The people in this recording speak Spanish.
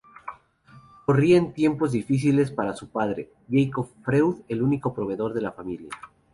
Corrían tiempos difíciles para su padre, Jakob Freud, el único proveedor de la familia.